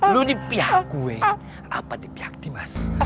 lo di pihak gue apa di pihak dimas